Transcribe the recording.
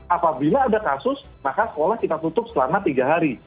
apabila ada kasus maka sekolah kita tutup selama tiga hari